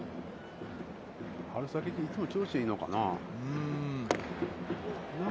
春先にいつも調子いいのかな。